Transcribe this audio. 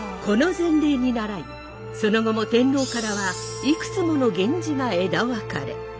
この前例にならいその後も天皇からはいくつもの源氏が枝分かれ。